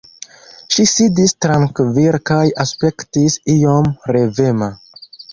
Ŝi sidis trankvile kaj aspektis iom revema.